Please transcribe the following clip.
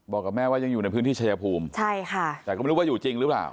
บอกกับแม่ว่ายังอยู่ในพื้นที่ชายภูมิใช่ค่ะแต่ก็ไม่รู้ว่าอยู่จริงหรือเปล่า